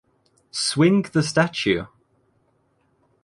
Swing the Statue!